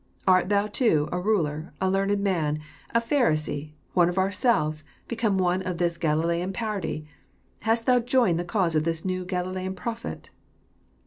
<' Art thou too, a ruler, a learned man, a Pharisee, one of ourselves, become one of this Galilean party? Hast thou joined the cause of this new Galilean prophet?